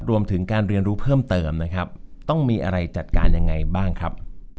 รวมถึงการเรียนรู้เพิ่มเติมนะครับต้องมีอะไรจัดการยังไงบ้างครับ